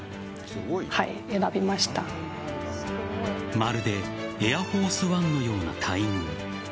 まるでエアフォース・ワンのような待遇。